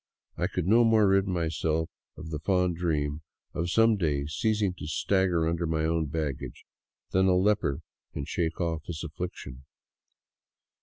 I could no more rid myself of the fond dream of some day ceasing to stagger under my own baggage than a leper can shake off his affliction.